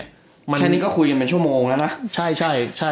แค่นี้ก็คุยกันเป็นชั่วโมงแล้วนะ